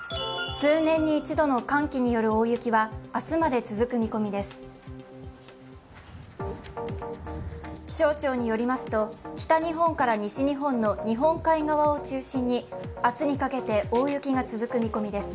数年に一度の寒気による大雪は明日まで続く見込みです。